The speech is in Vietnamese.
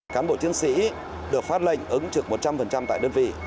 cán bộ chiến sĩ được phát lệnh ứng trực một trăm linh tại đơn vị